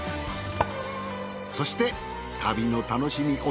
そして旅の楽しみ